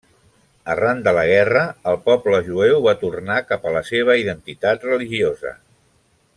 Arran de la guerra, el poble jueu va tornar cap a la seva identitat religiosa.